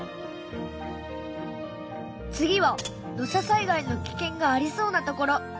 次は土砂災害の危険がありそうな所。